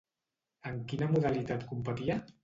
En quina modalitat competia?